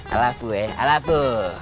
alapu ya alapu